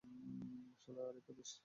শালা আড়ি পাতিস!